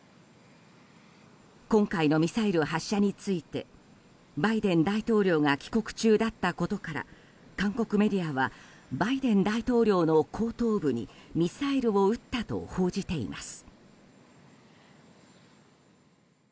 今回のミサイル発射についてバイデン大統領が帰国中だったことから韓国メディアはバイデン大統領の後頭部にミサイルを撃ったと報じています。